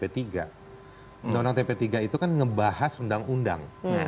undang undang tp tiga itu kan ngebahas undang undang